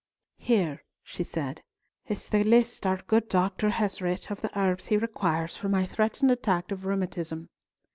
"Here," she said, "is the list our good Doctor has writ of the herbs he requires for my threatened attack of rheumatism."